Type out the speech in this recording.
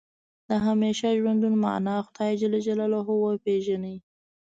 د همیشه ژوندون معنا خدای جل جلاله وپېژني.